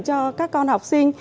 cho các con học sinh